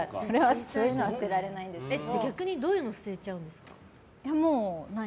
そういうのは逆にどういうの捨てちゃうんですか？